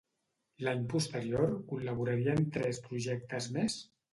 L'any posterior col·laboraria en tres projectes més?